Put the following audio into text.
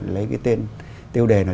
lấy cái tên tiêu đề là